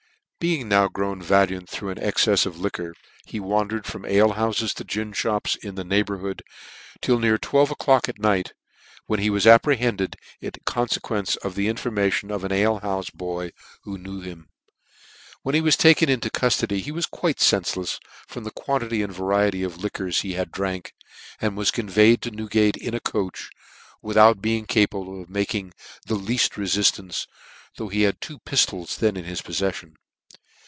Being now grown valiant through an excefs of liquor, he wandered from alehoufes to gin mops in the neighbourhood till near twelve o'clock ac night, when he was apprehended in confequence of the information of an akhoufe boy who knew him. 4 o6 NEW NEWGATE CALENDAR. him. When taken into cuftody he was quite lenfelefs, from the quantity and variety of liquors he had drank, and was conveyed to Newgate in a coach, without being capable of making the leaft refinance, though he had two piftols then in his poffcffion.